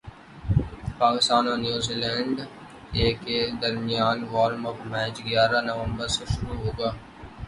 پاکستان اور New Zealand A درمیان warm up match گیارہ نومبر سے شروع ہوگا